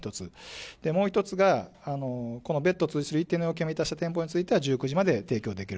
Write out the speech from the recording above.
もう一つが、この別途を満たした店舗については、１９時まで提供できる。